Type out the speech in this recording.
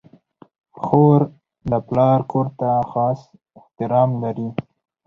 خور د پلار کور ته خاص احترام لري.